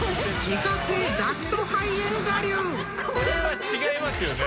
これは違いますよね。